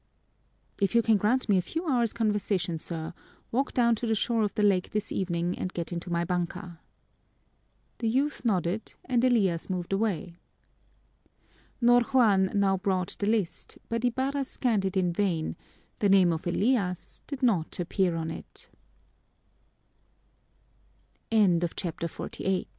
"If you can grant me a few hours' conversation, sir, walk down to the shore of the lake this evening and get into my banka." The youth nodded, and Elias moved away. Ñor Juan now brought the list, but Ibarra scanned it in vain; the name of Elias did not appear on it! CHAPTER XLIX The Voice of the Hunted As the sun was sinki